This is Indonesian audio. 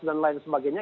dan lain sebagainya